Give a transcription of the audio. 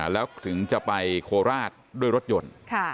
แล้วถึงจะไปโคราชด้วยรถยนต์